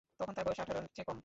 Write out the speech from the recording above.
তখন তার বয়স আঠারোর চেয়ে কম।